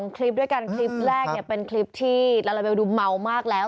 คลิปด้วยกันคลิปแรกเป็นคลิปที่ลาลาเบลดูเมามากแล้ว